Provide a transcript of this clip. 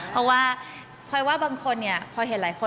เพราะว่าพลอยว่าบางคนเนี่ยพอเห็นหลายคน